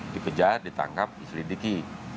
dikejar ditangkap diselidiki